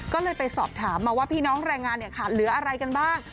ก็เลยไปสอบถามมาว่าพี่น้องแรงงานเนี่ยขาดเหลืออะไรกันบ้าง